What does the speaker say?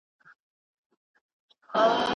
په اسمان وم ګرځېدلی چې قیامت شو